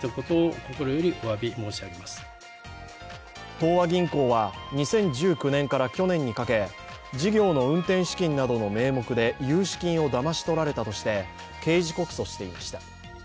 東和銀行は２０１９年から去年にかけ事業の運転資金などの名目で融資金をだまし取られたとして刑事告訴していました。